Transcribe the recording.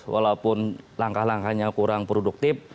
walaupun langkah langkahnya kurang produktif